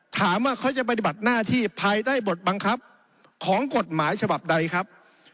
ถามว่าเขาจะปฏิบัติหน้าที่ภายใต้บทบังคับของกฎหมายฉบับใดครับ